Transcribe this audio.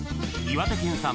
岩手県産